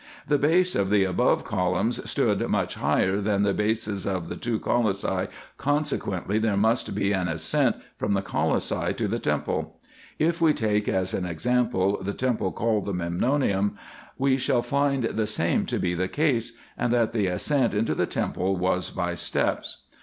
The base of the above columns stood much hic her than the bases of the two colossi, consequently there must be an ascent from the colossi lo the temple. If we take as an example the temple called the Memnonium, we shall find the same to be the case, and that the ascent into the temple was by steps.